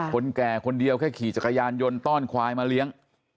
แก่คนเดียวแค่ขี่จักรยานยนต์ต้อนควายมาเลี้ยง